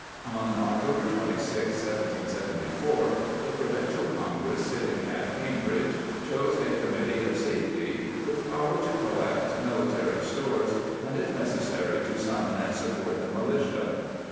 ^ On October 26, 1774, the Provincial Congress, ^ sitting at Cambridge, chose a committee of' safety with power to collect military stores, and^ if necessary, to summon and support the militia.